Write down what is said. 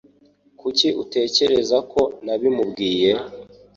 Kuki utekereza ko nabimubwiye?